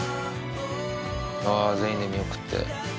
全員で見送って。